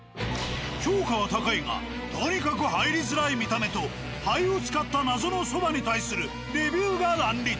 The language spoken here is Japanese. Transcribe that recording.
評価は高いがとにかく入りづらい見た目と灰を使った謎のそばに対するレビューが乱立。